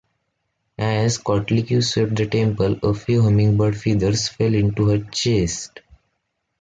As Coatlicue swept the temple, a few hummingbird feathers fell into her chest.